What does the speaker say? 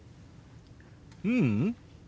ううん。